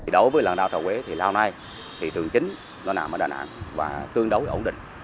rau trà quế thì lao nay thì trường chính nó nằm ở đà nẵng và tương đối ổn định